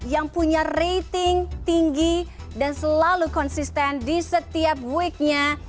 yang punya rating tinggi dan selalu konsisten di setiap week nya